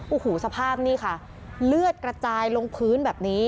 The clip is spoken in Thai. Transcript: โอ้โหสภาพนี่ค่ะเลือดกระจายลงพื้นแบบนี้